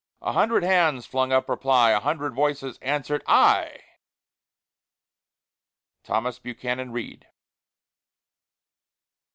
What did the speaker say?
A hundred hands flung up reply, A hundred voices answer'd, "I!" THOMAS BUCHANAN READ.